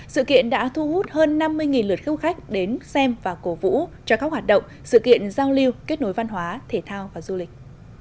sự kiện đã thu hút hơn năm mươi lượt khúc khách đến xem và cổ vũ cho các hoạt động sự kiện giao lưu kết nối văn hóa thể thao và du lịch